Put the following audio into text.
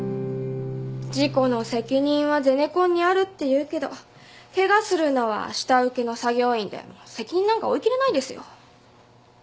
事故の責任はゼネコンにあるっていうけどケガするのは下請けの作業員で責任なんか負いきれないですよ。